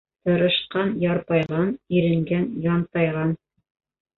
Тырышҡан ярпайған, иренгән янтайған.